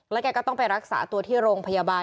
แกก็ต้องไปรักษาตัวที่โรงพยาบาล